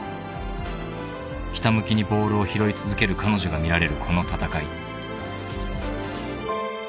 ［ひた向きにボールを拾い続ける彼女が見られるこの戦い］